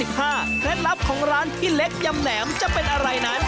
เคล็ดลับของร้านพี่เล็กยำแหนมจะเป็นอะไรนั้น